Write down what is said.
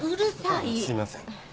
あっすいません。